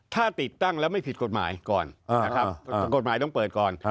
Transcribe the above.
ถ้าติดตั้งแล้วไม่ผิดกฎหมายก่อนนะครับกฎหมายต้องเปิดก่อน